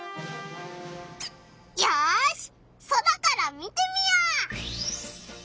よし空から見てみよう！